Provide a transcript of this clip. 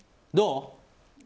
どう？